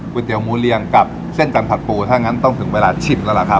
เตี๋ยหมูเรียงกับเส้นจันทร์ผัดปูถ้างั้นต้องถึงเวลาชิมแล้วล่ะครับ